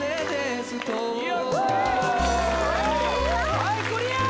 はいクリア！